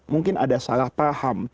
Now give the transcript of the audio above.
mungkin ada salah paham